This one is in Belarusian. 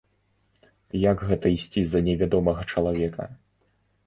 Як гэта ісці за невядомага чалавека?